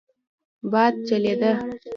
باد چلېده.